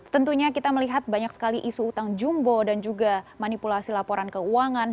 tentunya kita melihat banyak sekali isu utang jumbo dan juga manipulasi laporan keuangan